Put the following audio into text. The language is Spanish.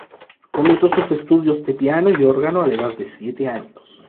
Comenzó sus estudios de piano y órgano a la edad de siete años.